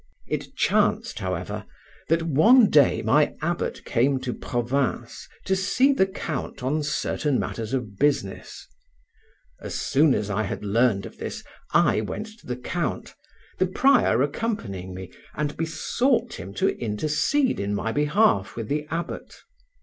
It chanced, however, that one day my abbot came to Provins to see the count on certain matters of business. As soon as I had learned of this, I went to the count, the prior accompanying me, and besought him to intercede in my behalf with the abbot.